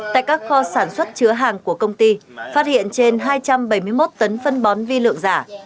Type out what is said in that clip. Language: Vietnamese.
tại các kho sản xuất chứa hàng của công ty phát hiện trên hai trăm bảy mươi một tấn phân bón vi lượng giả